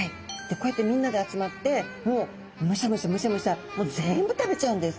こうやってみんなで集まってもうむしゃむしゃむしゃむしゃ全部食べちゃうんです。